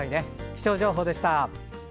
気象情報でした。